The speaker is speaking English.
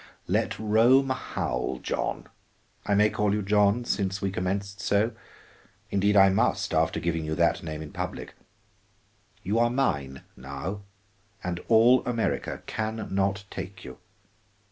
"Let Rome howl, John, I may call you John, since we commenced so? Indeed I must, after giving you that name in public. You are mine now, and all America can not take you.